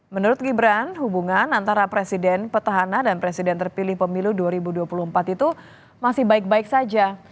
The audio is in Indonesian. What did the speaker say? menurut gibran hubungan antara presiden petahana dan presiden terpilih pemilu dua ribu dua puluh empat itu masih baik baik saja